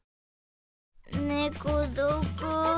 ねこどこ？